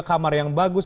kamar yang bagus